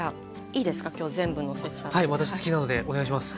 私好きなのでお願いします。